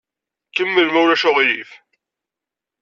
Kemmel, ma ulac aɣilif.